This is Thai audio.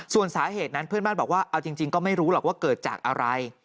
ส่วนสาเหตุนั้นเพื่อนบ้านบอกว่าเอาจริงก็ไม่รู้หรอกว่าเกิดจากอะไร